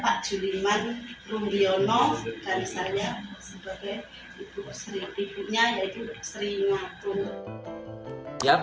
pak juliman rumbiono kandisannya sebagai ibu ibunya yaitu sri matu